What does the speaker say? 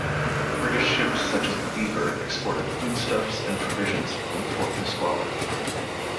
British ships such as the "Beaver", exported foodstuffs and provisions from Fort Nisqually.